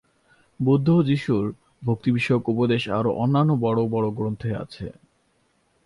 বুদ্ধ ও যীশুর ভক্তিবিষয়ক উপদেশ আরও অন্যান্য বড় বড় গ্রন্থে আছে।